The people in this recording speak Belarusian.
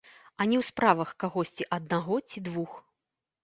А не ў справах кагосьці аднаго ці двух.